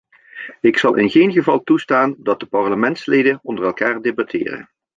Ik zal in geen geval toestaan dat de parlementsleden onder elkaar debatteren.